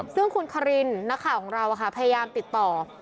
ซึ่งคุณคารินนักข่าวของเราพยายามติดต่อ